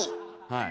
はい。